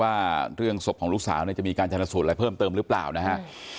ว่าเรื่องศพของลูกสาวเนี่ยจะมีการชนสูตรอะไรเพิ่มเติมหรือเปล่านะฮะ